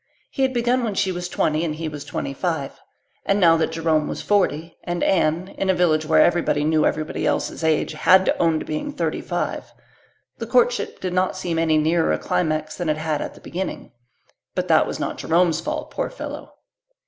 He had begun when she was twenty and he was twenty five, and now that Jerome was forty, and Anne, in a village where everybody knew everybody else's age, had to own to being thirty five, the courtship did not seem any nearer a climax than it had at the beginning. But that was not Jerome's fault, poor fellow!